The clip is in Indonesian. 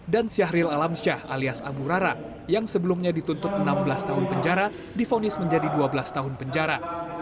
dan syahril alamsyah alias abu rara yang sebelumnya dituntut enam belas tahun penjara difonis menjadi dua belas tahun penjara